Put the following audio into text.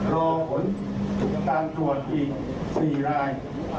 รอผลการตรวจอีก๔ราย